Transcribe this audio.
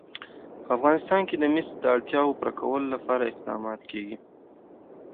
په افغانستان کې د مس د اړتیاوو پوره کولو لپاره اقدامات کېږي.